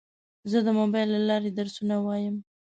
زه د موبایل له لارې درسونه وایم.